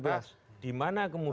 belkanai dki jakarta